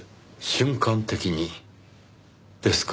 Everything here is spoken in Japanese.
瞬間的にですか。